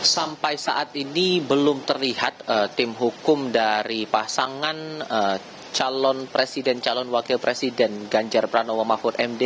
sampai saat ini belum terlihat tim hukum dari pasangan calon presiden calon wakil presiden ganjar pranowo mahfud md